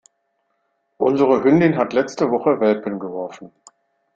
Unsere Hündin hat letzte Woche Welpen geworfen.